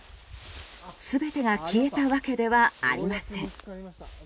全てが消えたわけではありません。